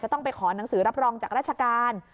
ต้องไปขอหนังสือรับรองจากราชการ